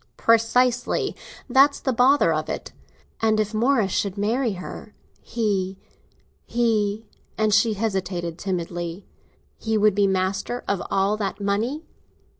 "Precisely—that's the bother of it." "And if Morris should marry her, he—he—" And she hesitated timidly. "He would be master of all that money?